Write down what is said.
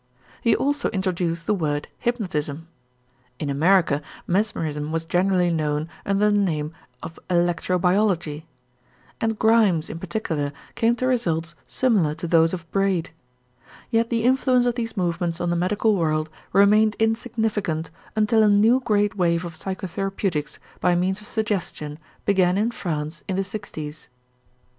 He also introduced the word hypnotism. In America mesmerism was generally known under the name of electrobiology; and Grimes in particular came to results similar to those of Braid. Yet the influence of these movements on the medical world remained insignificant until a new great wave of psychotherapeutics by means of suggestion began in France in the sixties.